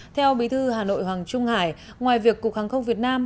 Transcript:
theo bí thư hà nội hoàng trung hải ngoài việc cục hàng không việt nam